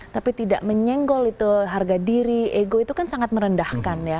tapi tidak menyenggol itu harga diri ego itu kan sangat merendahkan ya